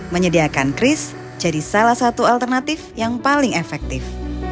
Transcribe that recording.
menyediakan cris jadi salah satu alternatif yang paling efektif